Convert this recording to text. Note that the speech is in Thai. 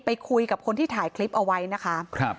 ไปคุยกับคนที่ถ่ายคลิปเอาไว้นะคะ